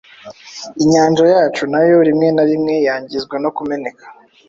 Inyanja yacu nayo rimwe na rimwe yangizwa no kumeneka